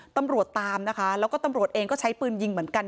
ตำรวจตามนะคะแล้วก็ตำรวจเองก็ใช้ปืนยิงเหมือนกัน